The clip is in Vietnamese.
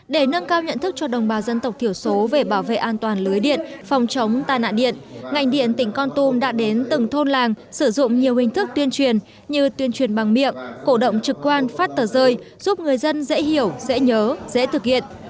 để nâng cao nhận thức cho đồng bào dân tộc thiểu số về bảo vệ an toàn lưới điện phòng chống tai nạn điện ngành điện tỉnh con tum đã đến từng thôn làng sử dụng nhiều hình thức tuyên truyền như tuyên truyền bằng miệng cổ động trực quan phát tờ rơi giúp người dân dễ hiểu dễ nhớ dễ thực hiện